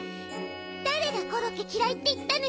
だれがコロッケきらいっていったのよ。